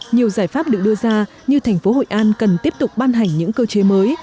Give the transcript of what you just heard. nhiều giải pháp được đưa ra như tp hội an cần tiếp tục ban hành những cơ chế mới